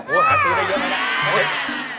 ดูได้เยอะไม่ได้